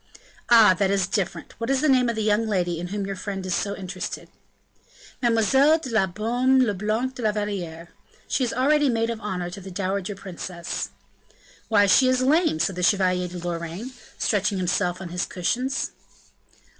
"Ah! that is different; what is the name of the young lady in whom your friend is so interested?" "Mlle. de la Baume le Blanc de la Valliere; she is already maid of honor to the dowager princess." "Why, she is lame," said the Chevalier de Lorraine, stretching himself on his cushions.